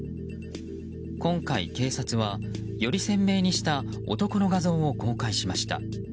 今回警察は、より鮮明にした男の画像を公開しました。